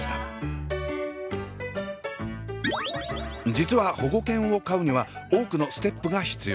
実は保護犬を飼うには多くのステップが必要。